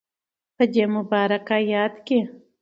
په دی مبارک ایت کی